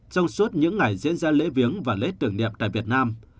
trong suốt những ngày diễn ra lễ viếng và lễ tưởng niệm tại việt nam